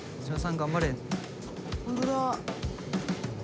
頑張れ。